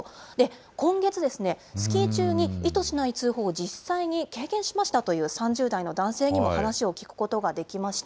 今月ですね、スキー中に意図しない通報を実際に経験しましたという３０代の男性にも話を聞くことができました。